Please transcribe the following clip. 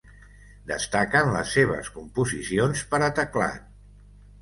Destaquen les seves composicions per a teclat.